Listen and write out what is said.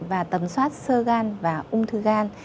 và tầm soát sơ gan và ung thư gan